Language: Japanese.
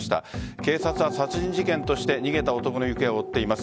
警察は殺人事件として逃げた男の行方を追っています。